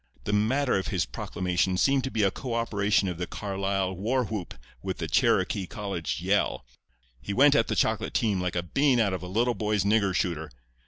The matter of his proclamation seemed to be a co operation of the Carlisle war whoop with the Cherokee college yell. He went at the chocolate team like a bean out of a little boy's nigger shooter.